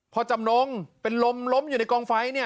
จำนงเป็นลมล้มอยู่ในกองไฟเนี่ย